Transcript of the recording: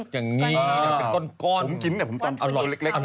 อย่างนี้เป็นกล้น